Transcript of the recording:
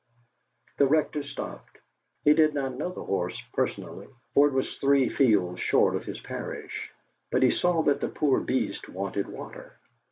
The Rector stopped. He did not know the horse personally, for it was three fields short of his parish, but he saw that the poor beast wanted water.